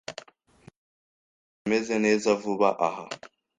Ntabwo numvise meze neza vuba aha.